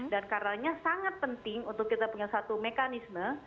dan karena sangat penting untuk kita punya satu mekanisme